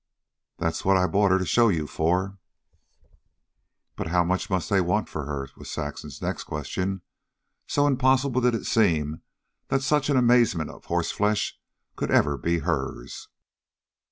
"That's what I brought her to show you for." "But how much must they want for her?" was Saxon's next question, so impossible did it seem that such an amazement of horse flesh could ever be hers.